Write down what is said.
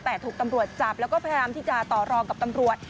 แต่ถูกตำรวจจับแล้วก็พยายามที่จะต่อรองกับตำรวจ